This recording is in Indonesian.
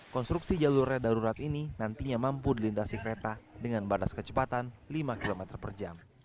konstruksi jalur rel darurat ini nantinya mampu dilintasi kereta dengan batas kecepatan lima km per jam